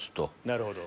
なるほど。